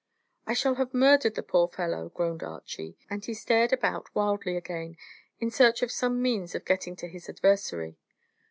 "I shall have murdered the poor fellow," groaned Archy; and he stared about wildly again, in search of some means of getting to his adversary.